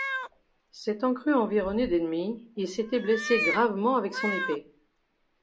S’étant cru environné d’ennemis, il s’était blessé gravement avec son épée.